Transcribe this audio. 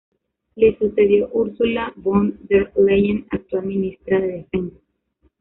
Le sucedió Ursula von der Leyen, actual Ministra de Defensa.